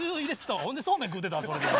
ほんでそうめん食うてたわそれで。